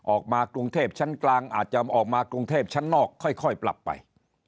ออกมากรุงเทพชั้นกลางอาจจะออกมากรุงเทพชั้นนอกค่อยปรับไป